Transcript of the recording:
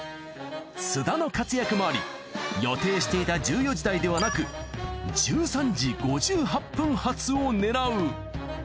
須田の活躍もあり予定していた１４時台ではなく１３時５８分発を狙う。